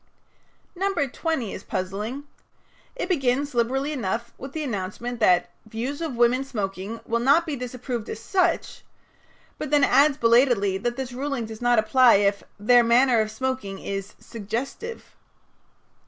No. 20 is puzzling. It begins, liberally enough, with the announcement that "Views of women smoking will not be disapproved as such," but then adds belatedly that this ruling does not apply if "their manner of smoking is suggestive."